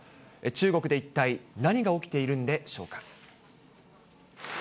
中国で一体何が起きているんでしょうか。